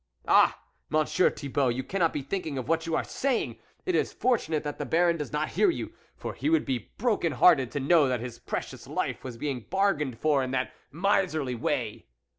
" Ah ! Monsieur Thibault, you cannot be thinking of what you are saying it is fortunate that the Baron does not hear you for he would be broken hearted to know that his precious life was being bargained for in that miserly way."